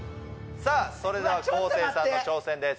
それでは昴生さんの挑戦です